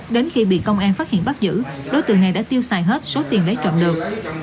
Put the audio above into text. đến khi bị công an phát hiện bắt giữ đối tượng này đã tiêu xài hết số tiền lấy trộm được